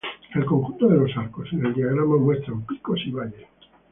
El conjunto de los arcos en el diagrama muestran picos y valles.